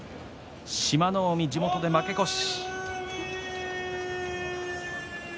志摩ノ海、地元で負け越し。